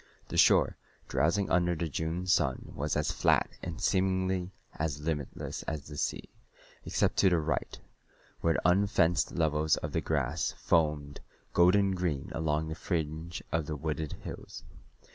The shore, drowsing under the June sun, was as flat and seemingly as limitless as the sea, except to the right, where the unfenced levels of the grass foamed golden green along the fringe of the wooded hills.